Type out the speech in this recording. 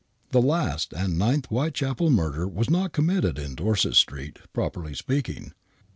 The last and ninth Whitechapel murder was not committed in Dorset Street, properly speaking.